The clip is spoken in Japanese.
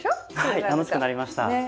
はい楽しくなりました。